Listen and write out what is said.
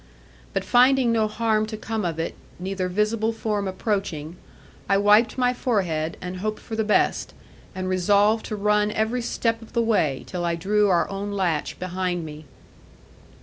But finding no harm to come of it, neither visible form approaching, I wiped my forehead, and hoped for the best, and resolved to run every step of the way, till I drew our own latch behind me.